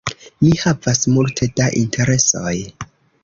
Mi havas multe da interesoj.